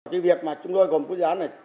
cái việc mà chúng tôi gồm một cái dự án này